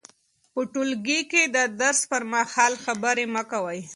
په ټولګي کې د درس پر مهال خبرې مه کوئ.